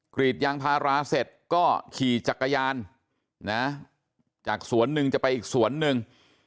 กรีดยางพาราเสร็จก็ขี่จักรยานนะจากสวนหนึ่งจะไปอีกสวนหนึ่ง